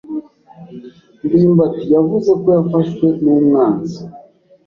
ndimbati yavuze ko yafashwe n'umwanzi.